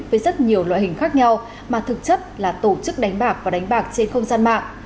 với rất nhiều loại hình khác nhau mà thực chất là tổ chức đánh bạc và đánh bạc trên không gian mạng